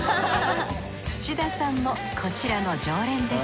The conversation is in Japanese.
土田さんもこちらの常連です